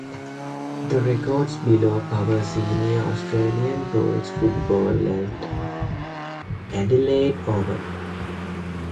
The records below cover senior Australian rules football at Adelaide Oval.